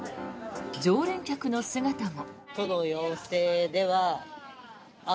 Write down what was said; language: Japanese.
常連客の姿も。